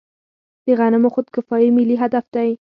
د غنمو خودکفايي ملي هدف دی.